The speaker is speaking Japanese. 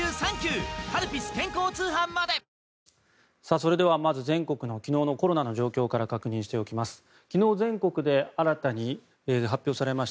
それではまず全国の昨日のコロナの状況から確認しておきます。